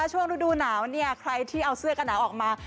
ช่วงฤดูหนาวเนี่ยใครที่เอาเสื้อกระหนาวออกมา